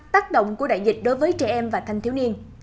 ba tác động của đại dịch đối với trẻ em và thanh thiếu nhiên